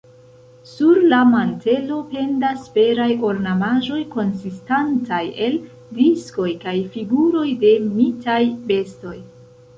Sur la mantelo pendas feraj ornamaĵoj konsistantaj el diskoj kaj figuroj de mitaj bestoj.